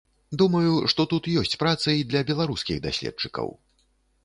Думаю, што тут ёсць праца і для беларускіх даследчыкаў.